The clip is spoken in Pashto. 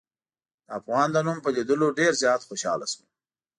د افغان د نوم په لیدلو ډېر زیات خوشحاله شوم.